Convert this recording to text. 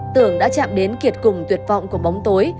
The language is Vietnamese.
tưởng đã chạm đến kiệt cùng tuyệt vọng của bóng tối